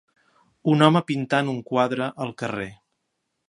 Un home pintant un quadre al carrer.